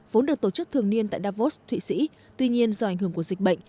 vốn được tổ chức thường niên tại davos thụy sĩ tuy nhiên do ảnh hưởng của dịch bệnh